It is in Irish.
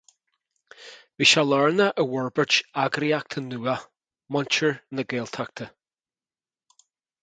Bhí sé lárnach i bhforbairt eagraíochta nua, Muintir na Gaeltachta.